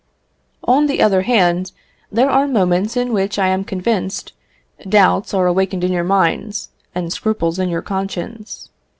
On the other hand, there are moments in which, I am convinced, doubts are awakened in your minds, and scruples in your conscience.